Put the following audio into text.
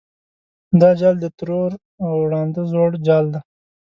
دا جال د ترور او ړانده زوړ جال دی.